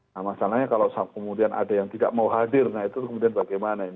nah masalahnya kalau kemudian ada yang tidak mau hadir nah itu kemudian bagaimana ini